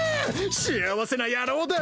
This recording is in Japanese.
幸せな野郎だ。